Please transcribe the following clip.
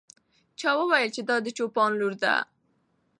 چا وویل چې دا د چوپان لور ده.